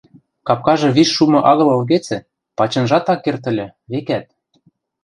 Капкажы виш шумы агыл ылгецӹ, пачынжат ак керд ыльы, векӓт.